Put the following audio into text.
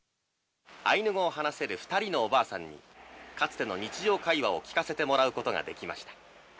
アイヌ語を話せる２人のおばあさんにかつての日常会話を聞かせてもらうことができました。